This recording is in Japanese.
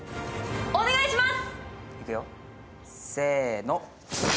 お願いします。